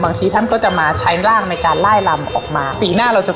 ท่านก็จะมาใช้ร่างในการไล่ลำออกมาสีหน้าเราจะ